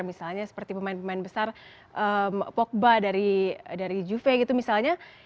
misalnya seperti pemain pemain besar pogba dari juve gitu misalnya